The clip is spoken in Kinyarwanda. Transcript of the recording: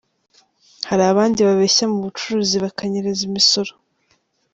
Hari abandi babeshya mu bucuruzi bakanyereza imisoro.